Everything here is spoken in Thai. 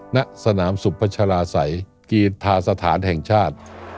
ณสนามสุพัชราศัยกีธาสถานแห่งชาติ